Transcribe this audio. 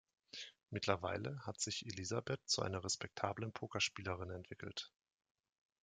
Mittlerweile hat sich Elizabeth zu einer respektablen Pokerspielerin entwickelt.